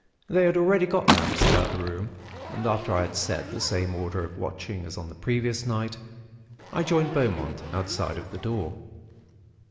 They had already got lamps about the room; and after I had set the same order of watching, as on the previous night, I joined Beaumont, outside of the door.